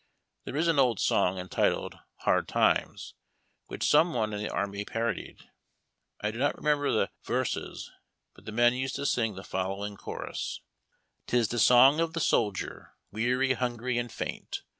! There is an old song, entitled " Hard Times," which some one in the army parodied. I do not remember the verses, but the men used to sing the following chorus :— 'Tis the song of the soldier, weary, hungry, and faint.